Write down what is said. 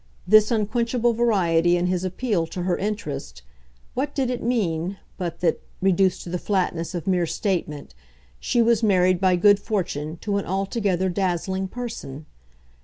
This unquenchable variety in his appeal to her interest, what did it mean but that reduced to the flatness of mere statement she was married, by good fortune, to an altogether dazzling person?